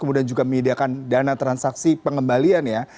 kemudian juga menyediakan dana transaksi pengembalian ya